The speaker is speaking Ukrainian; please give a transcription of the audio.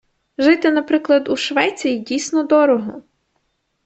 Жити, наприклад, у Швеції, дійсно дорого.